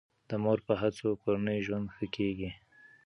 د مور په هڅو کورنی ژوند ښه کیږي.